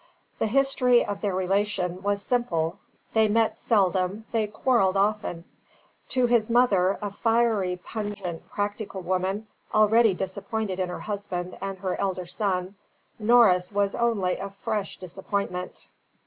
The history of their relation was simple; they met seldom, they quarrelled often. To his mother, a fiery, pungent, practical woman, already disappointed in her husband and her elder son, Norris was only a fresh disappointment.